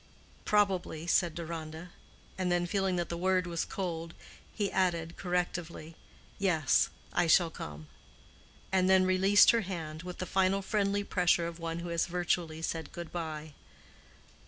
"Probably," said Deronda, and then feeling that the word was cold, he added, correctively, "Yes, I shall come," and then released her hand, with the final friendly pressure of one who has virtually said good bye.